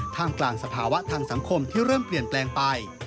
กลางสภาวะทางสังคมที่เริ่มเปลี่ยนแปลงไป